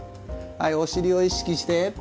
はいお尻を意識して。